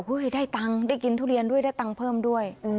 ได้ตังค์ได้กินทุเรียนด้วยได้ตังค์เพิ่มด้วย